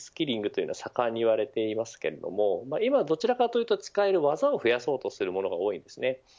今はまさに、リスキリングが盛んにいわれていますが今はどちらかというと技を増やそうというものが多いです。